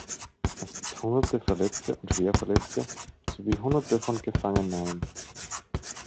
Es gibt hunderte Verletzte und Schwerverletzte sowie hunderte von Gefangennahmen.